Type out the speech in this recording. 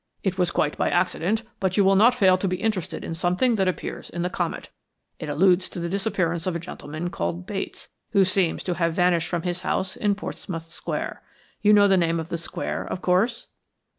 "It was quite by accident, but you will not fail to be interested in something that appears in the Comet. It alludes to the disappearance of a gentleman called Bates, who seems to have vanished from his house in Portsmouth Square. You know the name of the Square, of course?"